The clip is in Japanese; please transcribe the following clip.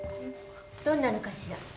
どんなのかしら。